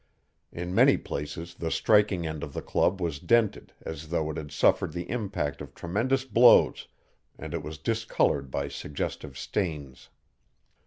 In many places the striking end of the club was dented as though it had suffered the impact of tremendous blows, and it was discolored by suggestive stains.